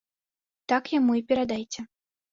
Так яму і перадайце.